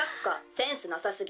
センスなさすぎ。